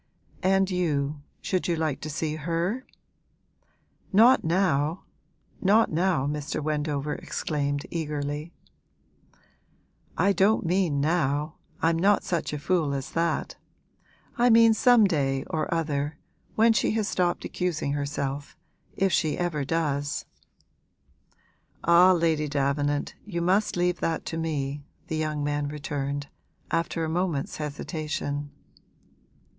'And you, should you like to see her?' 'Not now not now!' Mr. Wendover exclaimed, eagerly. 'I don't mean now, I'm not such a fool as that. I mean some day or other, when she has stopped accusing herself, if she ever does.' 'Ah, Lady Davenant, you must leave that to me,' the young man returned, after a moment's hesitation.